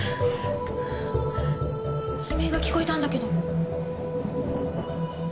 悲鳴が聞こえたんだけど。